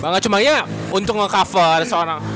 bangga cuman ya untuk ngecover seorang